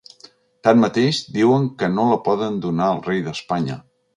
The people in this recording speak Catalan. Tanmateix, diuen que no la poden donar al rei d’Espanya.